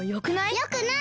よくない！